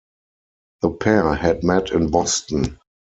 The pair had met in Boston.